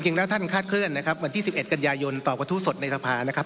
จริงแล้วท่านคาดเคลื่อนนะครับวันที่๑๑กันยายนต่อกระทู้สดในสภานะครับ